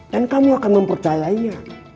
dan kamu akan mempercayainya